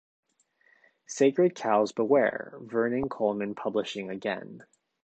'Sacred Cows Beware: Vernon Coleman publishing again.